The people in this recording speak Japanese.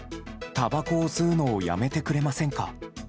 たばこを吸うのをやめてくれませんか。